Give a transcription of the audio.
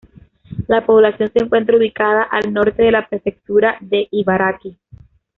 La población se encuentra ubicada al norte de la Prefectura de Ibaraki.